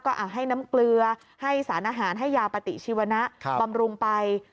ก็ให้น้ำเกลือให้สารอาหารให้ยาปฏิชีวนะบำรุงไป